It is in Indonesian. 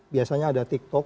biasanya ada tiktok